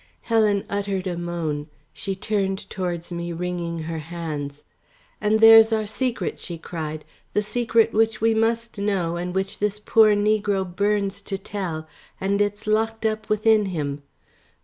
Helen uttered a moan, she turned towards me wringing her hands. "And there's our secret," she cried, "the secret which we must know and which this poor negro burns to tell and it's locked up within him!